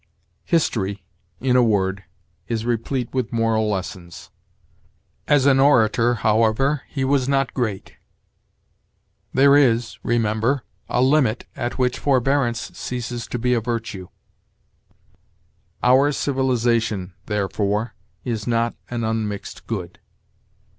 "History, in a word, is replete with moral lessons." "As an orator, however, he was not great." "There is, remember, a limit at which forbearance ceases to be a virtue." "Our civilization, therefore, is not an unmixed good."